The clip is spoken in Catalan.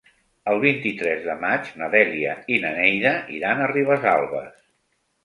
El vint-i-tres de maig na Dèlia i na Neida iran a Ribesalbes.